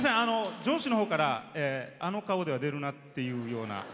上司のほうから、あの顔では出るなっていうような。